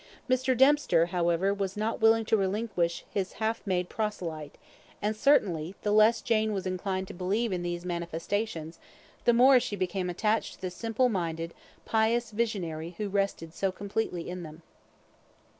Mr. Dempster, however, was not willing to relinquish his half made proselyte; and certainly, the less Jane was inclined to believe in these manifestations the more she became attached to the simple minded pious visionary who rested so completely in them.